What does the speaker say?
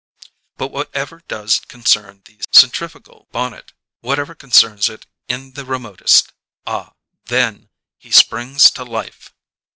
But whatever does concern the centrifugal bonnet, whatever concerns it in the remotest ah, then he springs to life!